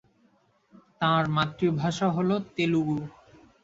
তাঁর মাতৃভাষা হল তেলুগু।